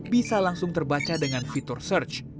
bisa langsung terbaca dengan fitur search